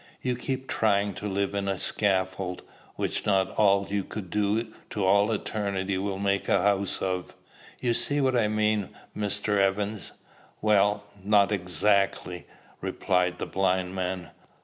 You keep trying to live in a scaffold, which not all you could do to all eternity would make a house of. You see what I mean, Mr. Evans?" "Well, not ezackly," replied the blind man.